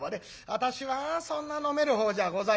私はそんな飲めるほうじゃございません。